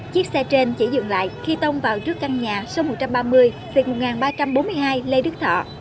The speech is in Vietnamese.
chiếc xe trên chỉ dừng lại khi tông vào trước căn nhà số một trăm ba mươi một nghìn ba trăm bốn mươi hai lê đức thọ